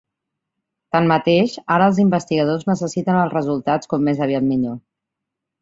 Tanmateix, ara els investigadors necessiten els resultats com més aviat millor.